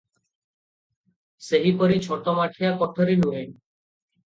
ସେହିପରି ଛୋଟମୋଟିଆ କୋଠରୀ ନୁହେଁ ।